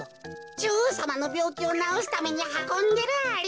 じょおうさまのびょうきをなおすためにはこんでるアリ。